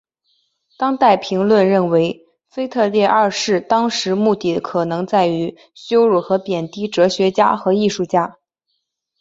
当代评论认为腓特烈二世当时目的可能在于羞辱和贬低哲学家和艺术家。